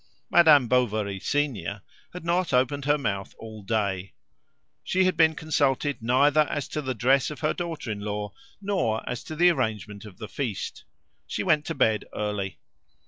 Madame Bovary, senior, had not opened her mouth all day. She had been consulted neither as to the dress of her daughter in law nor as to the arrangement of the feast; she went to bed early.